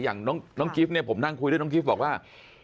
อย่างน้องกิฟต์เนี่ยผมนั่งคุยด้วยน้องกิฟต์บอกว่า